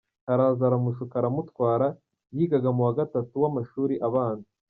araza aramushuka aramutwara , yigaga mu wa gatatu w’amashuri abanza.